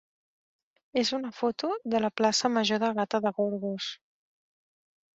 és una foto de la plaça major de Gata de Gorgos.